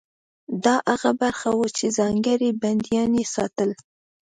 دا هغه برخه وه چې ځانګړي بندیان یې ساتل.